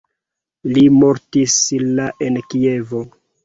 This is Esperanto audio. Li mortis la en Kievo.